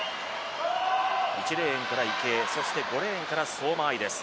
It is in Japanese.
１レーンから池江、５レーンから相馬あいです。